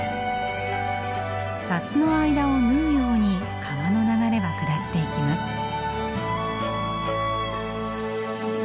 砂州の間を縫うように川の流れは下っていきます。